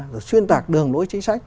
chuyên tạc đường lối chính sách